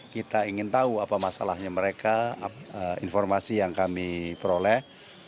kita ingin tahu apa masalahnya mereka informasi yang kami peroleh